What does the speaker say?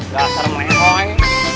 gak serem lehoi